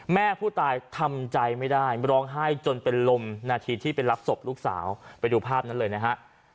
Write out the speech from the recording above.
แม่ผู้ตายทำใจไม่ได้ร้องไห้จนเป็นลมนาทีที่ไปรับศพลูกสาวไปดูภาพนั้นเลยนะฮะ